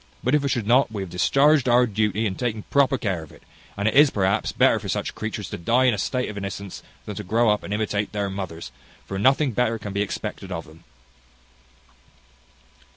But if it should not, we have discharged our duty in taking proper care of it; and it is, perhaps, better for such creatures to die in a state of innocence, than to grow up and imitate their mothers; for nothing better can be expected of them."